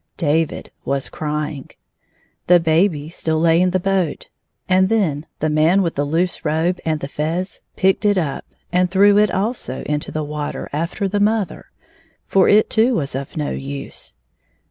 David was crying. The baby still lay in the boat, and then the man with the loose robe and the fez picked it up, and threw it also into the water after the mother, for it too was of no use.